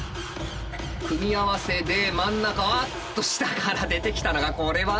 組み合わせで真ん中あっと下から出てきたのがこれは。